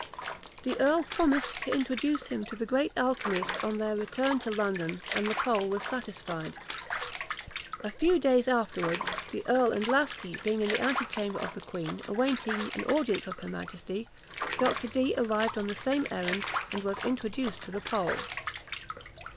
The earl promised to introduce him to the great alchymist on their return to London, and the Pole was satisfied. A few days afterwards, the earl and Laski being in the antechamber of the Queen, awaiting an audience of her majesty, Dr. Dee arrived on the same errand, and was introduced to the Pole.